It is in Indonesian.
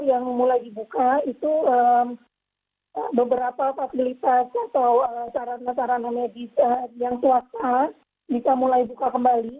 yang mulai dibuka itu beberapa fasilitas atau sarana sarana medis yang swasta bisa mulai buka kembali